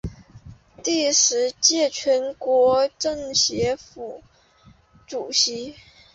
第十届全国政协副主席。